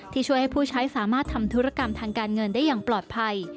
ช่วยให้ผู้ใช้สามารถทำธุรกรรมทางการเงินได้อย่างปลอดภัย